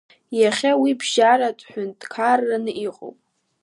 Иахьа уи бжьаратә ҳәынҭқарраны иҟоуп.